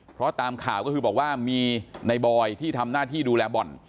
เพราะตามข่าวก็คือบอกว่ามีในบอยที่ทำหน้าที่ดูแลบ่อน